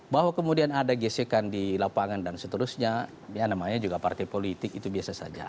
bahwa kemudian ada gesekan di lapangan dan seterusnya ya namanya juga partai politik itu biasa saja